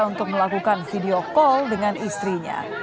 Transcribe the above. untuk melakukan video call dengan istrinya